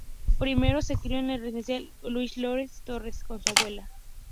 Primero se crio en el Residencial Luis Llorens Torres con su abuela.